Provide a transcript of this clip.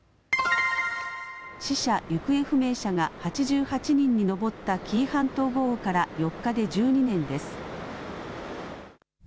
死者・行方不明者が８８人に上った紀伊半島豪雨から４日で１２年です。